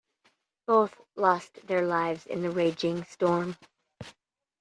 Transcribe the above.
Both lost their lives in the raging storm.